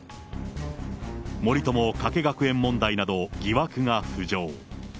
森友・加計学園問題など、疑惑が浮上。